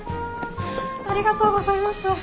ありがとうございます。